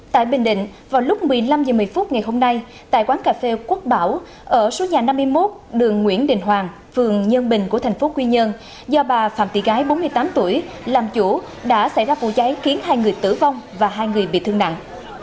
tại bình định vào lúc một mươi năm h một mươi phút ngày hôm nay tại quán cà phê quốc bảo ở số nhà năm mươi một đường nguyễn đình hoàng phường nhân bình của tp quy nhơn do bà phạm thị gái bốn mươi tám tuổi làm chủ đã xảy ra vụ cháy khiến hai người tử vong và hai người bị thương nặng